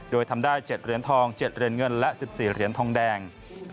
โดยทำได้๗เหรียญทอง๗เหรียญเงินและ๑๔เหรียญทองแดง